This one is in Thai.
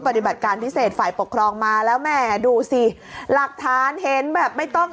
ปฏิบัติการพิเศษฝ่ายปกครองมาแล้วแม่ดูสิหลักฐานเห็นแบบไม่ต้อง